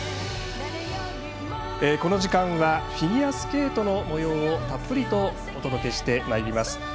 この時間はフィギュアスケートのもようをたっぷりお届けします。